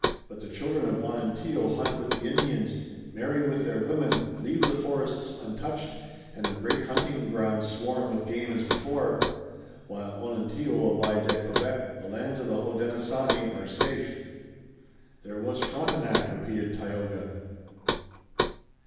But the children of Onontio hunt with the Indians, marry with their women, leave the forests untouched, and the great hunting grounds swarm with game as before. While Onontio abides at Quebec the lands of the Hodenosaunee are safe." "There was Frontenac," repeated Tayoga.